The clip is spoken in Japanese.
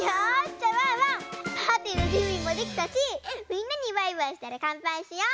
じゃあワンワンパーティーのじゅんびもできたしみんなにバイバイしたらかんぱいしよう！